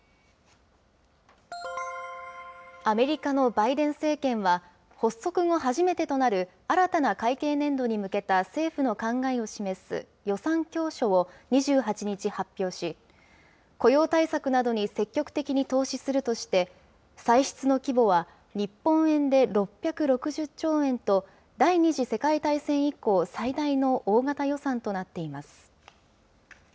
アメリカのバイデン政権は、発足後初めてとなる、新たな会計年度に向けた政府の考えを示す予算教書を２８日発表し、雇用対策などに積極的に投資するとして、歳出の規模は日本円で６６０兆円と、第２次世界大戦以降、最大の大型予算となっています。